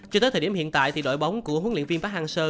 cho tới thời điểm hiện tại thì đội bóng của huấn luyện viên park hang seo